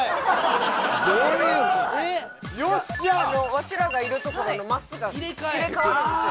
わしらがいる所のマスが入れ替わるんですよ。